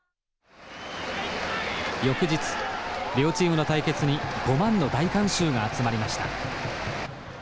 翌日両チームの対決に５万の大観衆が集まりました。